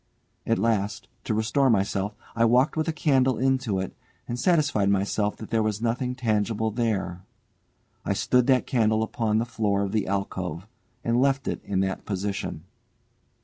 At last, to reassure myself, I walked with a candle into it, and satisfied myself that there was nothing tangible there. I stood that candle upon the floor of the alcove, and left it in that position.